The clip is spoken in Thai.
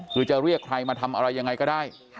คือจะเรียกใครมาทำอะไรยังไงก็ได้